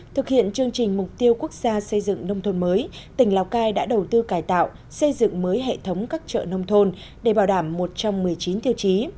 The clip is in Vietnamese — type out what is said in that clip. thực hiện chương trình mục tiêu quốc gia xây dựng nông thôn mới tỉnh lào cai đã đầu tư cải tạo xây dựng mới hệ thống các chợ nông thôn để bảo đảm một trong một mươi chín tiêu chí